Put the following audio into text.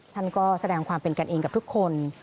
ท่านก็แสดงความเป็นกันเองกับทุกคน